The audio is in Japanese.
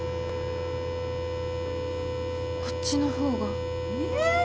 こっちの方が。え？